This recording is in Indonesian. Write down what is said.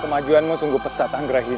kemajuanmu sungguh pesat anggrahin